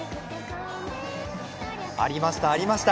ありました、ありました